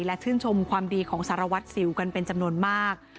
และชื่นชมความดีของสารวัตรสิวกันเป็นจำนวนมาก